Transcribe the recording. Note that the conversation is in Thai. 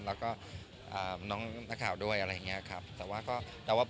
แล้วก็น้องบริษัทข่าวด้วย